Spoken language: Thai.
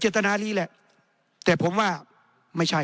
ในทางปฏิบัติมันไม่ได้